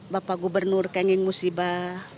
bapak gubernur kenging musibah